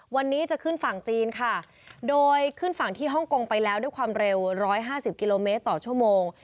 วันนี้จะขึ้นฝั่งจีนค่ะโดยขึ้นฝั่งที่ฮ่องกงไปแล้วด้วยความเร็ว๑๕๐กิโลเมตรต่อชั่วโมง